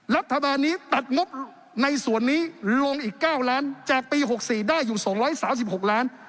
รัฐบาลนี้ตัดงบในส่วนนี้ลงอีก๙ล้านจากปี๖๔ได้อยู่๒๓๖ล้าน